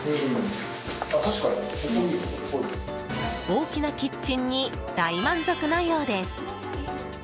大きなキッチンに大満足のようです。